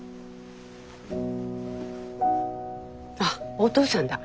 あっおとうさんだ。